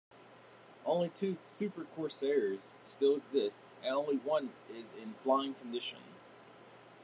Only two "Super Corsairs" still exist, and only one is in flying condition.